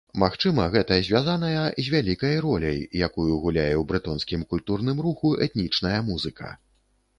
Магчыма, гэта звязаная з вялікай роляй, якую гуляе ў брэтонскім культурным руху этнічная музыка.